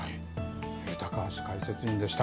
高橋解説委員でした。